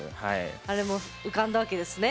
あれも浮かんだわけですね。